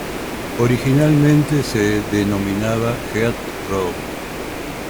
Originalmente se denominaba Heath Row.